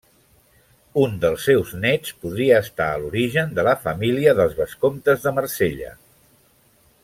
Un dels seus néts podria estar a l'origen de la família dels vescomtes de Marsella.